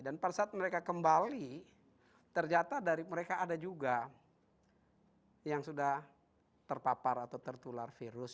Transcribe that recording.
dan pada saat mereka kembali terjata dari mereka ada juga yang sudah terpapar atau tertular virus